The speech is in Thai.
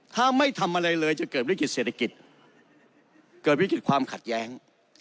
ถ้าไม่ทำอะไรเลยจะเกิดวิกฤติเศรษฐกิจเกิดวิกฤตความขัดแย้ง